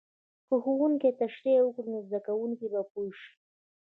که ښوونکی تشریح وکړي، نو زده کوونکی به پوه شي.